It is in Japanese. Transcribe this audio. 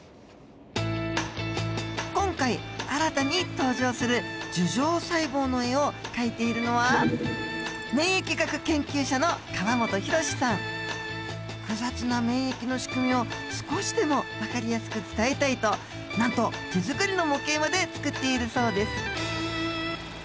今回新たに登場する樹状細胞の絵を描いているのは複雑な免疫のしくみを少しでもわかりやすく伝えたいとなんと手作りの模型まで作っているそうです。